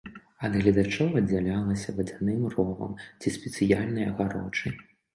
Ад гледачоў аддзялялася вадзяным ровам ці спецыяльнай агароджай.